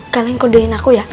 kalian kodein aku ya